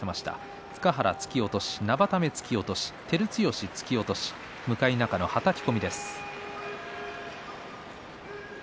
塚原、突き落とし生田目、突き落とし照強、突き落とし向中野、はたき込みです。